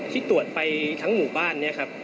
ที่ตรวจไปทั้งหมู่บ้านนี้ครับ